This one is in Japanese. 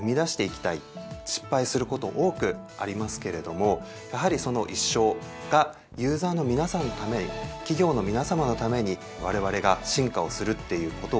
失敗すること多くありますけれどもやはりその一勝がユーザーの皆さまのために企業の皆さまのためにわれわれが進化をするっていうことを追い求めてですね